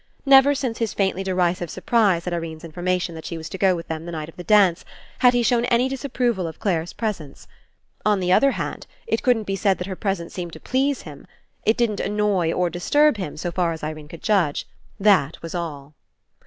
Never since his faintly derisive surprise at Irene's information that she was to go with them the night of the dance, had he shown any disapproval of Clare's pres ence. On the other hand, it couldn't be said that her presence seemed to please him. It didn't annoy or disturb him, so far as Irene could judge. That was all.